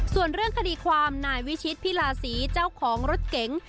ส่วนเรื่องคดีความนายวิชิตพิลาศรีเจ้าของรถเก๋ง